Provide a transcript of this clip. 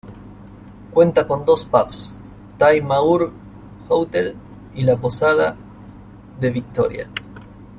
Cuenta con dos pubs: Ty Mawr Hotel y la Posada The Victoria.